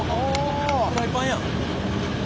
フライパンや。